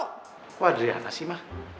kok adriana sih ma